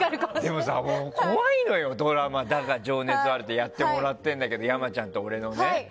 でもさ、怖いのよ、ドラマで「だが、情熱はある」でやってもらっているんだけど山ちゃんと俺の。